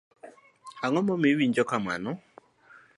Ang'o momiyo iwinjo kamano?